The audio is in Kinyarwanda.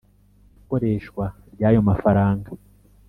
ikoreshwa ry ayo mafaranga